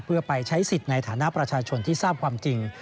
เพื่อไปใช้สิทธิ์ในฐานะประชาชนที่ทราบความจริง